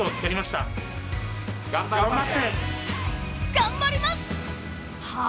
頑張ります！